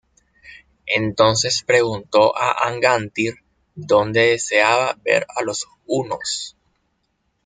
Entonces preguntó a Angantyr donde deseaba ver a los hunos.